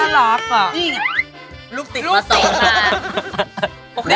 นี่ไงลูกติดมาสองค่ะ